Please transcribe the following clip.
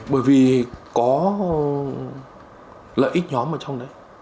bởi vì có lợi ích nhóm ở trong đấy